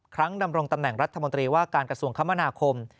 ครั้งดำรงตำแหน่งรัฐมนตรีว่าการกระทรวงคมนาคม